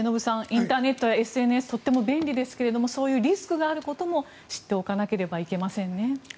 インターネットやＳＮＳとっても便利ですがそういうリスクがあることも知っておかなければいけませんね。